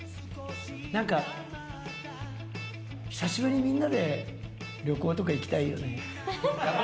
何か久しぶりにみんなで旅行とか行きたいよね。